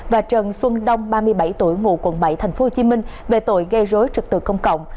và trần xuân đông ba mươi bảy tuổi ngụ quận bảy tp hcm về tội gây rối trực tự công cộng